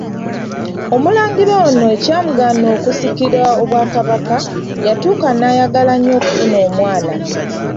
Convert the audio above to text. Omulangira ono ekyamugaana okusikira obwakabaka, yatuuka n'ayagala nnyo okufuna omwana.